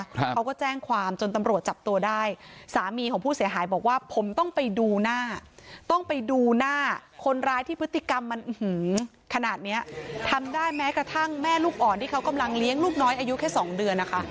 เขาก็แจ้งความจนตำรวจจับตัวได้สามีของผู้เสียหายบอกว่าผมต้องไปดูหน้าต้องไปดูหน้าคนร้ายที่พฤติกรรมมันขนาดเนี้ยทำได้แม้กระทั่งแม่ลูกอ่อนที่เขากำลังเลี้ยงลูกน้อยอายุแค่สองเดือนนะคะ